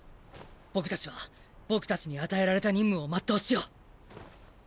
僕達は僕達に与えられた任務を全うしよう。